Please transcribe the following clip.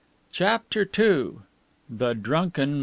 CHAPTER II THE DRUNKEN MR.